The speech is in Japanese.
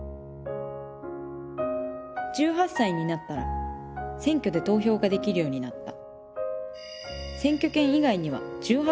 １８歳になったら選挙で投票ができるようになった。